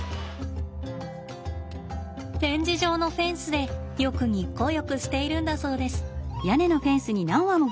展示場のフェンスでよく日光浴しているんだそうです。